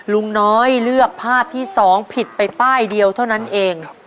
ลุงน้อยเลือกภาพที่๒ผิดไปป้ายเดียวเท่านั้นเอง